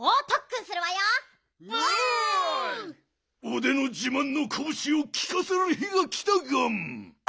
おでのじまんのこぶしをきかせる日がきたガン。